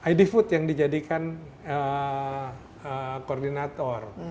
id food yang dijadikan koordinator